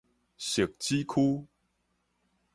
汐止區